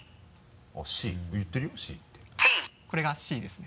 これが「Ｃ」ですね。